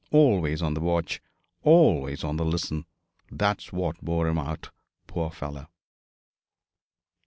Always on the watch, always on the listen. That's what wore him out, poor fellow!'